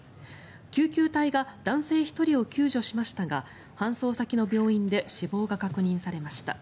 救急隊が男性１人を救助しましたが搬送先の病院で死亡が確認されました。